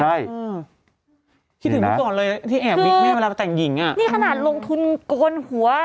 ใช่คิดถึงเมื่อก่อนเลยที่แอบบิ๊กแม่เวลาไปแต่งหญิงอ่ะนี่ขนาดลงทุนโกนหัว